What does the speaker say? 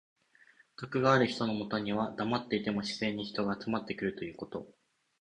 徳がある人のもとにはだまっていても自然に人が集まってくるということ。